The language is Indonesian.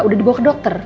udah dibawa ke dokter